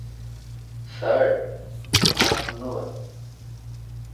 Sir, না ধন্যবাদ।